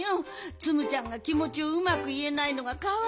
ツムちゃんがきもちをうまくいえないのがかわいそうでね。